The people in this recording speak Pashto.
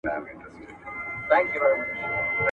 د ښار کوڅې به وي لښکر د ابوجهل نیولي.